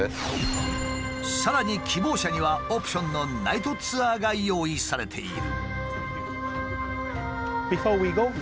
さらに希望者にはオプションのナイトツアーが用意されている。